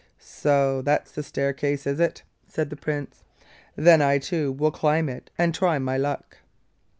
'So that's the staircase, is it?' said the Prince. 'Then I too will climb it and try my luck.